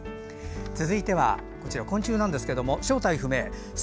続いては昆虫ですが正体不明です。